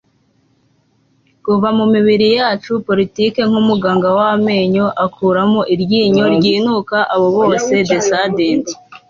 kuva mumibiri yacu-politike nkumuganga wamenyo akuramo iryinyo ryinuka abo bose decadent